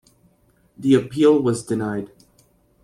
The appeal was denied.